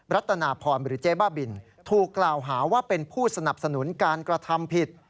รัตนาพรหรือเจ๊บ้าบินถูกกล่าวหาว่าเป็นผู้สนับสนุนการกระทำผิด